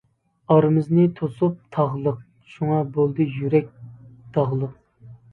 ئارىمىزنى توسۇپ تاغلىق، شۇڭا بولدى يۈرەك داغلىق.